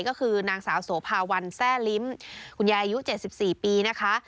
ก็คือนางสาวโสภาวันแทร่ลิ้มคุณยายอายุ๗๔ปีนะคะ